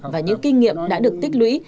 và những kinh nghiệm đã được tích lũy